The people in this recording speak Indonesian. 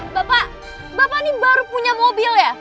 bapak bapak ini baru punya mobil ya